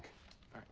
はい。